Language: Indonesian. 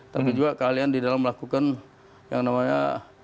tapi juga keahlian di dalam melakukan yang namanya